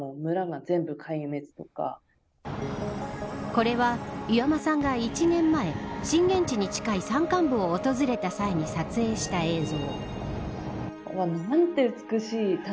これは岩間さんが１年前震源地に近い山間部を訪れた際に撮影した映像。